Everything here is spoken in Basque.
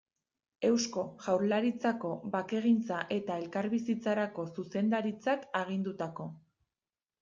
Eusko Jaurlaritzako Bakegintza eta Elkarbizitzarako Zuzendaritzak agindutako.